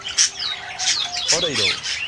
Odejdou.